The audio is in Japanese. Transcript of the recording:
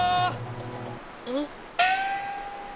えっ？